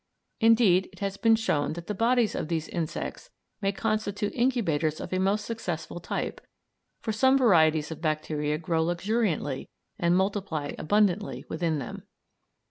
Indeed, it has been shown that the bodies of these insects may constitute incubators of a most successful type, for some varieties of bacteria grow luxuriantly and multiply abundantly within them.